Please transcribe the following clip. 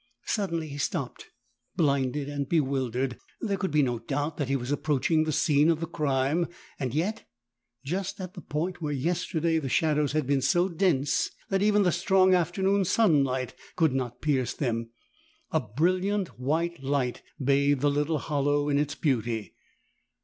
Suddenly he stopped — blinded and bewildered. There could be no doubt that he was approaching the scene of the crime, and yet — just at the point where yesterday the shadows had been so dense that even the strong afternoon sunlight could not pierce them, a brilliant white light bathed the little hollow in its beauty.